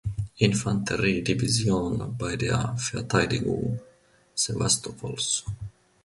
Infanteriedivision bei der Verteidigung Sewastopols.